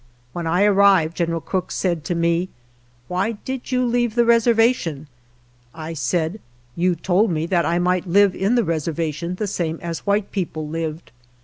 When I arrived General Crook said 137 4 GERONIMO to me, " Why did you leave the reserva tion? " I said: " You told me that I might live in the reservation the same as white peo ple lived.